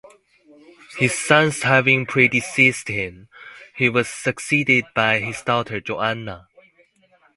His sons having predeceased him, he was succeeded by his daughter Joanna.